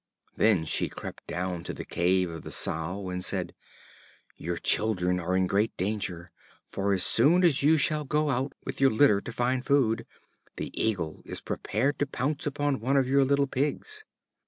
Then she crept down to the cave of the Sow and said: "Your children are in great danger; for as soon as you shall go out with your litter to find food, the Eagle is prepared to pounce upon one of your little pigs."